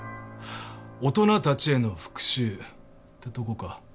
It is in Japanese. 大人たちへの復讐ってとこか。